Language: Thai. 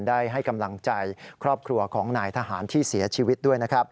ได้ให้กำลังใจครอบครัวของนายทหารที่เสียชีวิตด้วยนะครับ